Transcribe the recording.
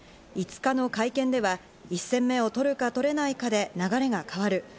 ５日の会見では１戦目を取るか取れないかで流れが変わる。